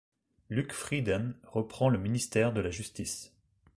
Luc Frieden reprend le ministère de la Justice.